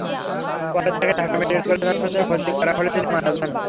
পরে তাঁকে Dhaka medical college হাসপাতালে ভর্তি করা হলে তিনি মারা যান।